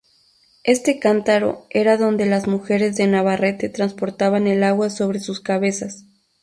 Este cántaro era donde las mujeres de Navarrete transportaban el agua sobre sus cabezas.